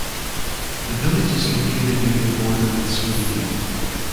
The village is located near the border with Slovenia.